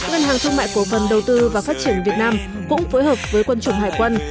ngân hàng thương mại cổ phần đầu tư và phát triển việt nam cũng phối hợp với quân chủng hải quân